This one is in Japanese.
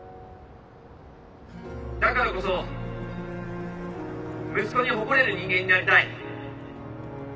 だからこそ息子に誇れる人間になりたい。